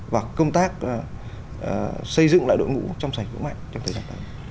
và công tác xây dựng lại đội ngũ trong sở hữu mạnh trong thời gian tới